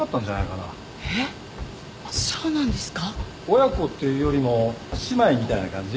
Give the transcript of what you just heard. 親子っていうよりも姉妹みたいな感じ？